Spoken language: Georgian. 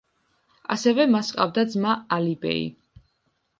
ასევე, მას ჰყავდა ძმა ალი-ბეი.